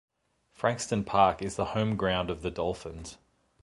Frankston Park is the home ground of the Dolphins.